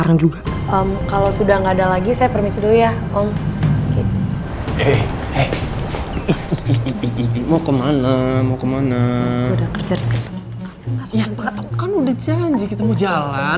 ya apa kan udah janji kita mau jalan